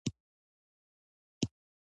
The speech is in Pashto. ادبي غونډي د ژبي وده تضمینوي.